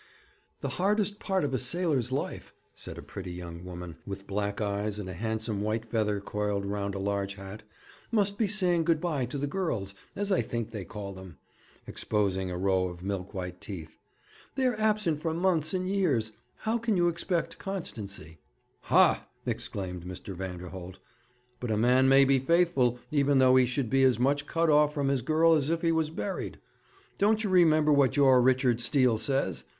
'The hardest part of a sailor's life,' said a pretty young woman, with black eyes, and a handsome white feather coiled round a large hat, 'must be saying good bye to the girls, as I think they call them,' exposing a row of milk white teeth. 'They are absent for months and years; how can you expect constancy?' 'Ha!' exclaimed Mr. Vanderholt. 'But a man may be faithful, even though he should be as much cut off from his girl as if he was buried. Don't you remember what your Richard Steele says?